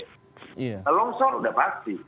kalau longsor sudah pasti